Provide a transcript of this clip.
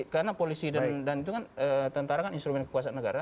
karena polisi dan tentara kan instrumen kekuasaan negara